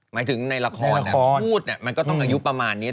หมายถึงในละครพูดมันก็ต้องอายุประมาณนี้